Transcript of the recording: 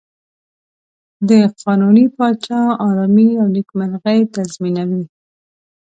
د قانوني پاچا آرامي او نېکمرغي تضمینوي.